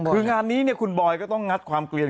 คืองานนี้คุณบอยก็ต้องงัดความเกลียน